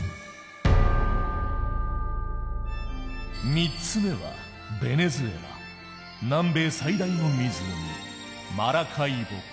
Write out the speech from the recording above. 三つ目はベネズエラ南米最大の湖マラカイボ湖。